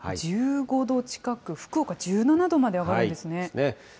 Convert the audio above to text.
１５度近く、福岡１７度まで上がるんですね。